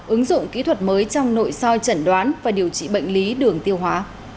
ứng dụng kỹ thuật mới trong nội soi chẩn đoán và điều trị bệnh lý đường tiêu hóa